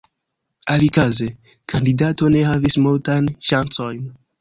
Alikaze, kandidato ne havis multajn ŝancojn.